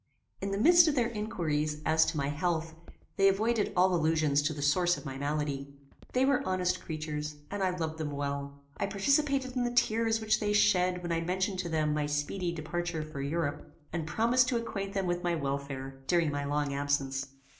In the midst of their inquiries, as to my health, they avoided all allusions to the source of my malady. They were honest creatures, and I loved them well. I participated in the tears which they shed when I mentioned to them my speedy departure for Europe, and promised to acquaint them with my welfare during my long absence.